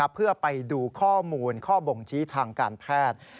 เพื่อไปดูข้อมูลข้อบ่งชี้ทางการแพทย์